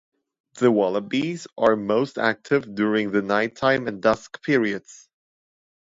The wallabies are most active during the night-time and dusk periods.